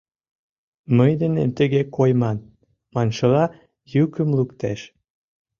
«Мый денем тыге койман» маншыла, йӱкым луктеш.